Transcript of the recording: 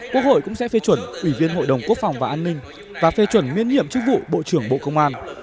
quốc hội cũng sẽ phê chuẩn ủy viên hội đồng quốc phòng và an ninh và phê chuẩn miễn nhiệm chức vụ bộ trưởng bộ công an